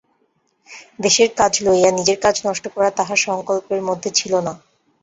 দেশের কাজ লইয়া নিজের কাজ নষ্ট করা তাহার সংকল্পের মধ্যে ছিল না।